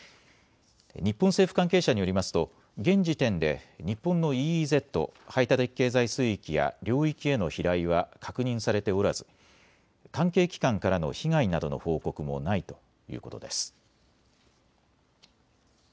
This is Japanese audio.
日本政府関係者によりますと現時点で日本のＥＥＺ・排他的経済水域や領域への飛来は確認されておらず関係機関からの被害などの報告もないということです。